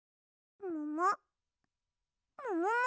もも？